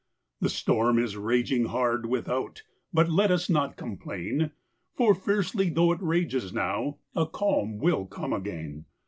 The storm is raging hard, without; But let us not complain, For fiercely tho' it rages now, A calm will come again.